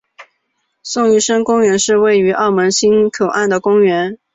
宋玉生公园是位于澳门新口岸的公园。